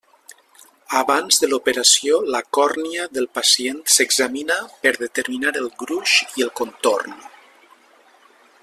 Abans de l'operació, la còrnia del pacient s'examina per determinar el gruix i el contorn.